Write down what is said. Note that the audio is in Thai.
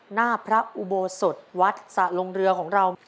หน้าพระอุโบสถวัดสะลงเรือของเรา